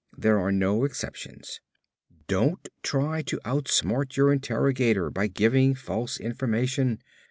There are no exceptions. Don't try to outsmart your interrogator by giving false information.